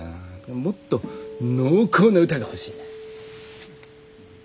もっと濃厚な歌が欲しい。